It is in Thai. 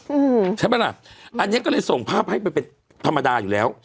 อืมใช่ไหมล่ะอันเนี้ยก็เลยส่งภาพให้มันเป็นธรรมดาอยู่แล้ว